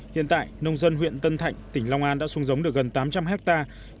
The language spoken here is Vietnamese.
hiện tại nông dân huyện tân thạnh tỉnh long an đã xuống giống được gần tám trăm linh hectare